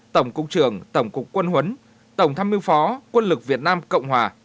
tổng cục trưởng tổng cục quân huấn tổng tham mưu phó quân lực việt nam cộng hòa